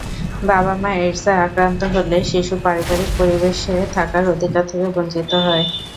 বাবা-মা এইডসে আক্রান্ত হলে শিশু পারিবারিক পরিবেশে থাকার অধিকার থেকে বঞ্চিত হয়।